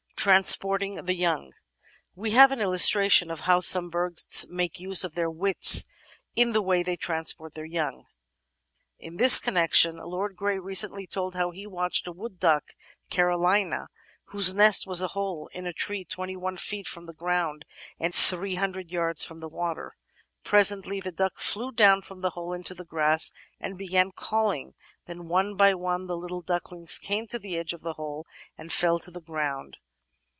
Transporting the Young We have an illustration of how some birds make use of their wits in the way they transport their young. In this con nection Lord Grey recently told how he watched a Wood Duck (Carolina) whose nest was a hole in a tree 21 feet from the ground and 800 yards from the water. "Presently the duck flew down from the hole into the grass, and began calling; then one by one the little ducklings came to the edge of the hole and fell to the grotmd.